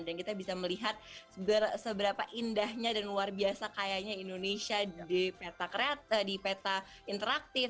dan kita bisa melihat seberapa indahnya dan luar biasa kayanya indonesia di peta kreatif di peta interaktif